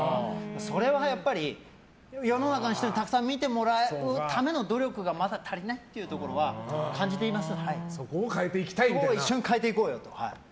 それはやっぱり、世の中の人にたくさん見てもらうための努力がまだ足りないというところは感じています。